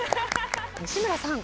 西村さん。